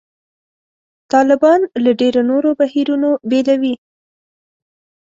طالبان له ډېرو نورو بهیرونو بېلوي.